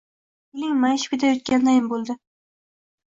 Beling mayishib ketayotgandayin bo‘ldi.